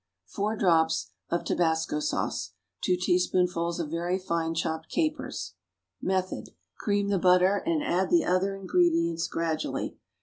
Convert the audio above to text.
4 drops of tobasco sauce. 2 teaspoonfuls of very fine chopped capers. Method. Cream the butter and add the other ingredients gradually.